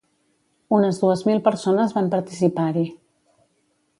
Unes dues mil persones van participar-hi.